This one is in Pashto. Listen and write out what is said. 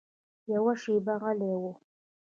يوه شېبه غلى و.